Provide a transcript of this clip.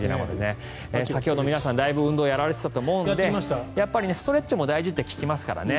先ほど皆さん、だいぶ運動をやられていたと思うのでやっぱりストレッチも大事って聞きますからね。